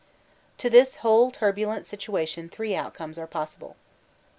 To this whole turbulent situation three outcomes are possible: 1.